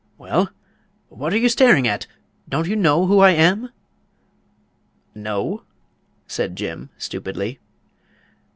Well—what are you staring at? Don't you know who I am?" "No," said Jim, stupidly.